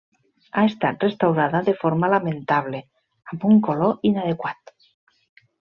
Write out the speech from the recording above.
Ha estat restaurada de forma lamentable amb un color inadequat.